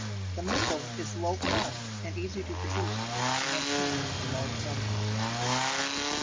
The missile is low cost and easy to produce and maintain in large numbers.